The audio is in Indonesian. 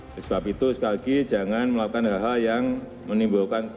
oleh sebab itu sekali lagi jangan melakukan hal hal yang menimbulkan